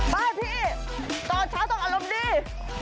พี่ตอนเช้าต้องอารมณ์ดี